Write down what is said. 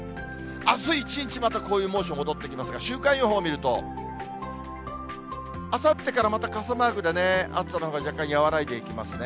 あす一日、またこういう猛暑、戻ってきますが、週間予報を見ると、あさってからまた傘マークでね、暑さのほうが若干和らいでいきますね。